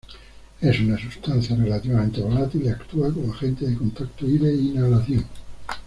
Es una sustancia relativamente volátil y actúa como agente de contacto y de inhalación.